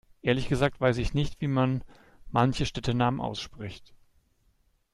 Ehrlich gesagt weiß ich nicht wie man manche Städtenamen ausspricht.